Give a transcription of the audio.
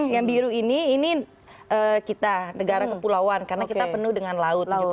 yang biru ini ini kita negara kepulauan karena kita penuh dengan laut